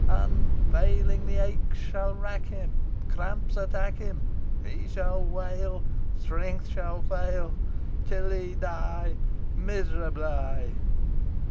Unavailingly. Aches shall rack him, Cramps attack him, He shall wail, Strength shall fail, Till he die Miserably!"